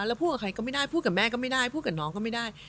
แล้วพูดกับใครก็ไม่ได้พูดกับแม่ก็ไม่ได้พูดกับน้องก็ไม่ได้